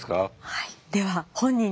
はい。